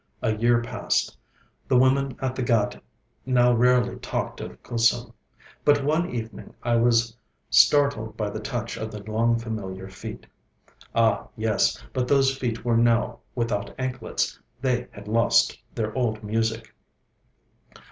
A year passed. The women at the ghāt now rarely talked of Kusum. But one evening I was startled by the touch of the long familiar feet. Ah, yes, but those feet were now without anklets, they had lost their old music.